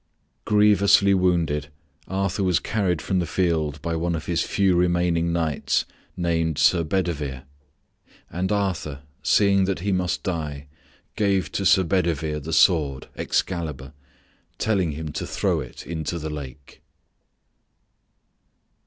Grievously wounded, Arthur was carried from the field by one of his few remaining knights, named Sir Bedivere; and Arthur, seeing that he must die, gave to Sir Bedivere the sword, Excalibur, telling him to throw it in the lake.